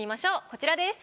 こちらです。